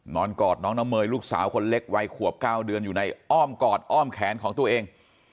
กอดน้องน้ำเมย์ลูกสาวคนเล็กวัยขวบ๙เดือนอยู่ในอ้อมกอดอ้อมแขนของตัวเอง